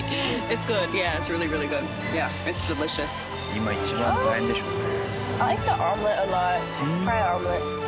今一番大変でしょうね。